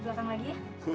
ke belakang lagi ya